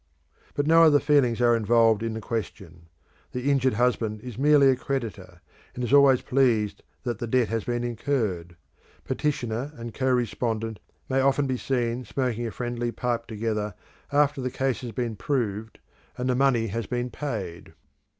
But no other feelings are involved in the question. The injured husband is merely a creditor, and is always pleased that the debt has been incurred. Petitioner and co respondent may often be seen smoking a friendly pipe together after the case has been proved and the money has been paid.